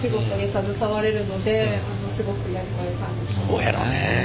そうやろね。